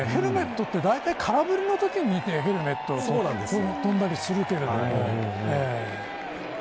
ヘルメットってだいたい空振りのときにヘルメットが飛んだりするけれども。